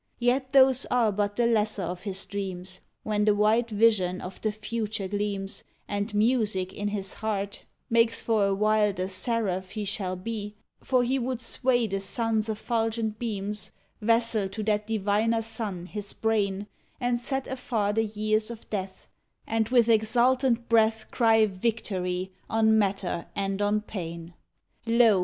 Yet those are but the lesser of his dreams, When the white vision of the Future gleams, And Music in his heart ODE ON THE OPENING OF Makes for a while the seraph he shall be; For he would sway the sun s effulgent beams, Vassal to that diviner sun, his brain, And set afar the years of Death, And with exultant breath Cry victory on matter and on pain. Lo